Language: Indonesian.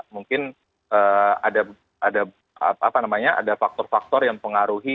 mungkin ada faktor faktor yang mengaruhi